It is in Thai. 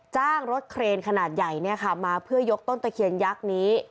จ้างรถเครนขนาดใหญ่มาเพื่อยกต้นตะเคียนยักษ์นี้